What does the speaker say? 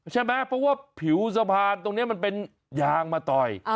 ใช่ไหมเพราะว่าผิวสะพานตรงนี้มันเป็นยางมาต่อย